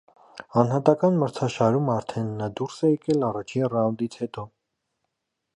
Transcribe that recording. Անհատական մրցաշարում արդեն նա դուրս է եկել առաջին ռաունդից հետո։